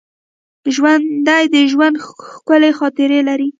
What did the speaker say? ژوندي د ژوند ښکلي خاطرې لري